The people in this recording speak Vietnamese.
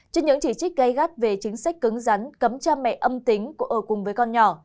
trên những chỉ trích gây gắt về chính sách cứng rắn cấm cha mẹ âm tính ở cùng với con nhỏ